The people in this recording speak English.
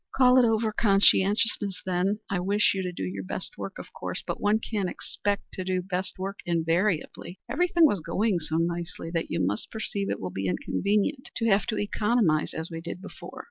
"Call it over conscientiousness then. I wish you to do your best work, of course, but one can't expect to do best work invariably. Everything was going so nicely that you must perceive it will be inconvenient to have to economize as we did before."